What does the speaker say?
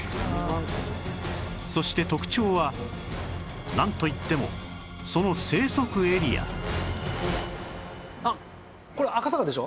そして特徴はなんといってもその生息エリアあっこれ赤坂でしょ？